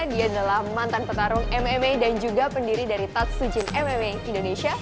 dia adalah mantan petarung mma dan juga pendiri dari tatsujin mma indonesia